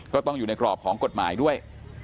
ก็ต้องอยู่ในกรอบของกฎหมายด้วย